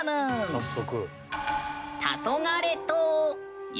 早速。